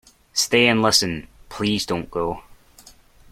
Stay and listen; please don't go